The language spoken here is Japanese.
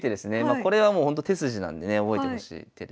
これはもうほんと手筋なんでね覚えてほしい手で。